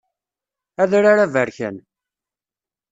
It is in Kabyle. Adrar aberkan.